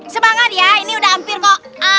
semangat ya ini udah hampir kok